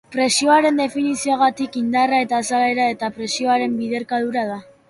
Presioaren definizioagatik, indarra azalera eta presioaren biderkadura da.